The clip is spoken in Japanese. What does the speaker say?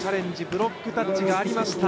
ブロックタッチがありました。